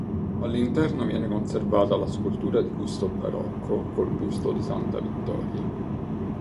All'interno viene conservata la scultura di gusto barocco col busto di Santa Vittoria.